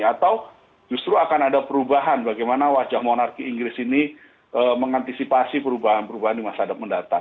atau justru akan ada perubahan bagaimana wajah monarki inggris ini mengantisipasi perubahan perubahan di masa depan mendatang